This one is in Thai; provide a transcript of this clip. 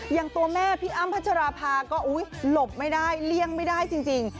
อย่างตัวแม่พี่อ้ำพัชราภาก็หลบไม่ได้เลี่ยงไม่ได้จริง